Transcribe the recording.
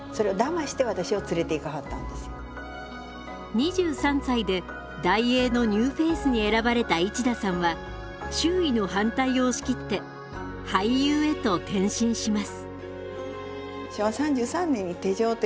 ２３歳で大映のニューフェイスに選ばれた市田さんは周囲の反対を押し切って俳優へと転身します。